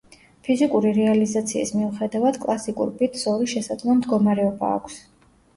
ფიზიკური რეალიზაციის მიუხედავად კლასიკურ ბიტს ორი შესაძლო მდგომარეობა აქვს.